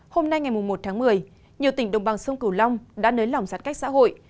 hôm nay ngày một tháng một mươi nhiều tỉnh đồng bằng sông cửu long đã nới lỏng giãn cách xã hội